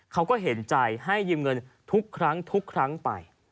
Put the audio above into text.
เขาก็เห็นใจให้ยืมเงินทุกครั้งทุกครั้งไป